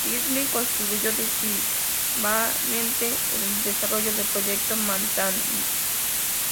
Szilárd contribuyó decisivamente al desarrollo del Proyecto Manhattan.